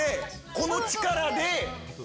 この力で。